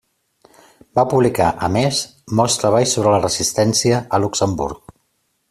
Va publicar, a més, molts treballs sobre la resistència a Luxemburg.